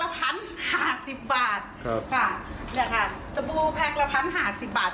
แพ็กละพันห้าสิบบาทค่ะเนี้ยค่ะสบู่แพ็กละพันห้าสิบบาท